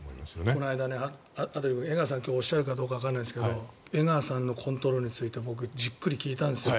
この間、江川さんが今日おっしゃるかどうかわからないけど江川さんのコントロールについて僕、じっくり聞いたんですよ。